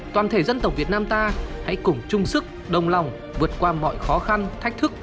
toàn thể dân tộc việt nam ta hãy cùng chung sức đồng lòng vượt qua mọi khó khăn thách thức